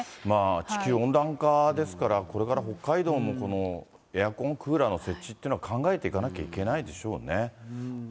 地球温暖化ですから、これから北海道もエアコン、クーラーの設置っていうのは考えていかなきゃいけないでしょうね。